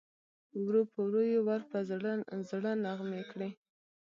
ورو په ورو یې ور په زړه زړې نغمې کړې